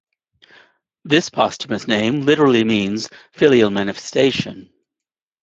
This posthumous name literally means "filial manifestation".